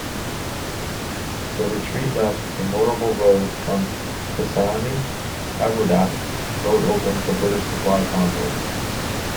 The retreat left the motorable road from Tessenei-Agordat road open for British supply convoys.